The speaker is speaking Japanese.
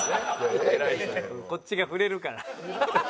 こっちが触れるから。